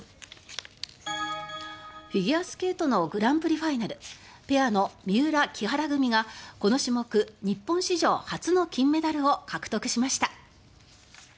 フィギュアスケートのグランプリファイナルペアの三浦・木原組がこの種目日本史上初の金メダルを獲得しました。